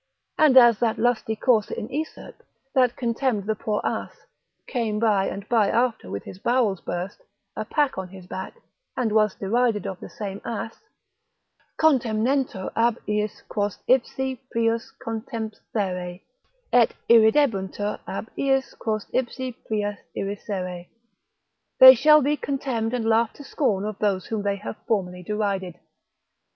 And as that lusty courser in Aesop, that contemned the poor ass, came by and by after with his bowels burst, a pack on his back, and was derided of the same ass: contemnentur ab iis quos ipsi prius contempsere, et irridebuntur ab iis quos ipsi prius irrisere, they shall be contemned and laughed to scorn of those whom they have formerly derided.